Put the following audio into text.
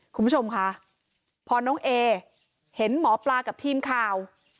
คุณผู้ชมค่ะพอน้องเอเห็นหมอปลากับทีมข่าว